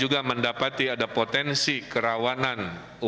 dan mencari penyelesaian